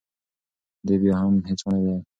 دې بیا هم هیڅ ونه ویل.